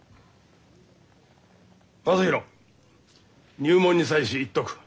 正浩入門に際し言っとく。